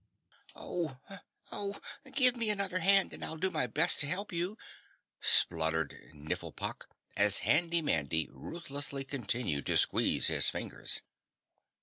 "Oh! Oh! Give me another hand and I'll do my best to help you," sputtered Nifflepok, as Handy Mandy ruthlessly continued to squeeze his fingers.